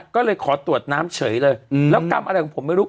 ก็เลยขอตรวจน้ำเฉยเลยแล้วกรรมอะไรของผมไม่รู้